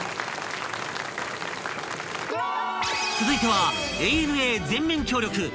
［続いてはＡＮＡ全面協力！］